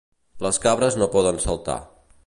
Les cabres no poden saltar.